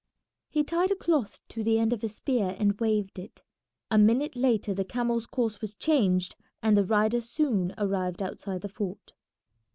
He tied a cloth to the end of a spear and waved it. A minute later the camel's course was changed and the rider soon arrived outside the fort.